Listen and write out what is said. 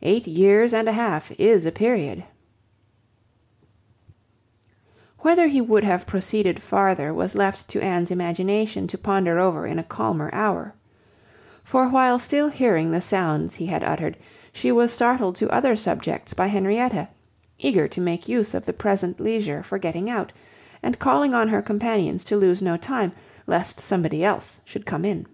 Eight years and a half is a period." Whether he would have proceeded farther was left to Anne's imagination to ponder over in a calmer hour; for while still hearing the sounds he had uttered, she was startled to other subjects by Henrietta, eager to make use of the present leisure for getting out, and calling on her companions to lose no time, lest somebody else should come in.